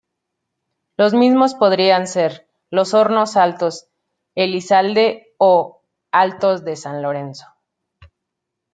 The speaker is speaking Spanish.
Los mismos podrían ser: "Los Hornos, Elizalde o Altos de San Lorenzo".